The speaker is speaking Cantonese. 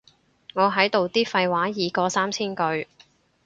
我喺度啲廢話已過三千句